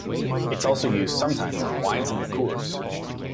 It's also used sometimes in wines and liqueurs.